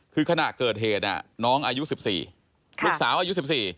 คือขณะเกิดเหตุน้องอายุ๑๔ลูกสาวอายุ๑๔